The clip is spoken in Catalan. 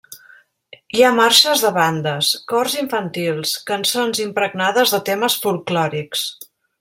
Hi ha marxes de bandes, cors infantils, cançons impregnades de temes folklòrics.